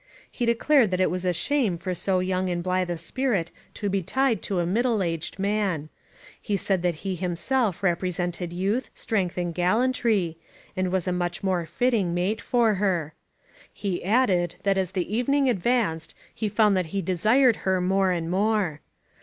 He declared that it was a shame for so young and blithe a spirit to be tied to a middle aged man; he said that he himself repre sented youth, strength and gallantry, and was a much more fitting mate for her. He added that as the even ing advanced he found that he desired her more and more.